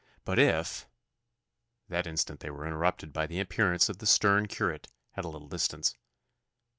But if " That instant they were interrupted by the appearance of the stern curate at a little distance.